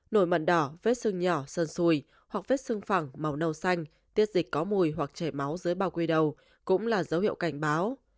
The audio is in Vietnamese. nổi mận đỏ vết xưng nhỏ sơn xùi hoặc vết xưng phẳng màu nâu xanh tiết dịch có mùi hoặc chảy máu dưới bao quy đầu cũng là dấu hiệu cảnh báo